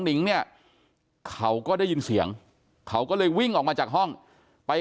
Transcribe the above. นิงเนี่ยเขาก็ได้ยินเสียงเขาก็เลยวิ่งออกมาจากห้องไป